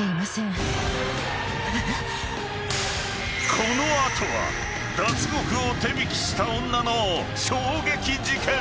［この後は脱獄を手引きした女の衝撃事件］